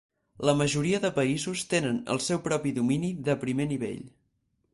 La majoria de països tenen el seu propi domini de primer nivell.